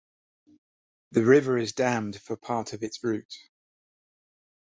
The river is dammed for part of its route.